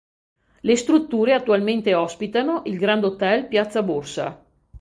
Le strutture attualmente ospitano il "Grand Hotel Piazza Borsa".